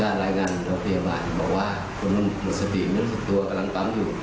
ก็รายงานโรงพยาบาลบอกว่าคนหนึ่งหนึ่งสี่หนึ่งสิบตัวกำลังปั๊มอยู่